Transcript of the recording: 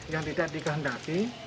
yang tidak dikehendaki